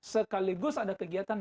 sekaligus ada kegiatan